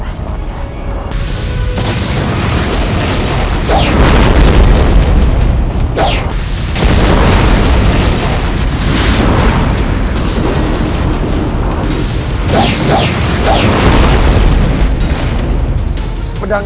aku akan menang